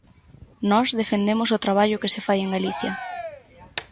Nós defendemos o traballo que se fai en Galicia.